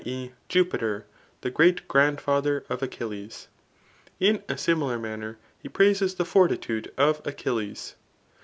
e.' Jupiter, the great' grandfii* ther of Achilles.] In a similar manner he prases the fortitude of Achilles.